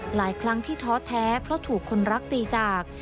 หลายครั้งที่ท้อแท้เพราะถูกคนรักตีจาก